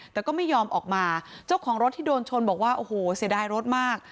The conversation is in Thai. แต่ก็ไม่ยอมออกมาเจ้าของรถที่โดนชนบอกว่าโอ้โหเสียดายรถมาก